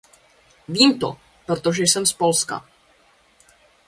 Vím to, protože jsem z Polska.